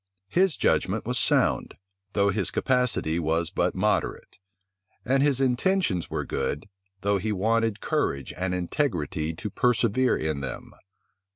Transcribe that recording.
His judgment was sound, though his capacity was but moderate; and his intentions were good, though he wanted courage and integrity to persevere in them.